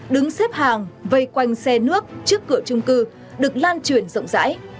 đứng xếp hàng vây quanh xe nước trước cửa trung cư được lan truyền rộng rãi